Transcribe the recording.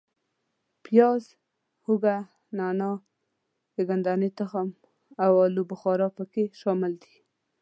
پیاز، هوګه، نانا، د ګدنې تخم او آلو بخارا په کې شامل دي.